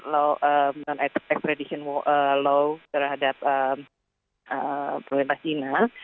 law non extradition law terhadap pemerintah china